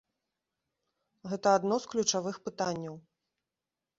Гэта адно з ключавых пытанняў.